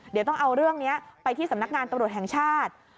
เดี๋ยวต้องเอาเรื่องนี้ไปที่สำนักงานตำรวจแห่งชาติ